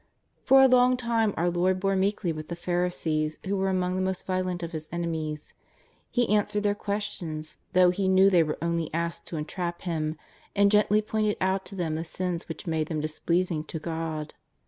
For a long time our Lord bore meekly with the Phari sees, w^ho were among the most violent of His enemies. He answered their questions, though He knew they were only asked to entrap Him, and gently pointed out to them the sins w^hich made them displeasing to God.